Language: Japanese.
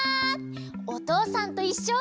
「おとうさんといっしょ」